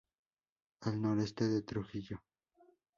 Al noroeste de Trujillo.